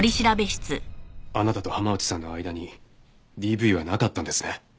あなたと浜内さんの間にＤＶはなかったんですね。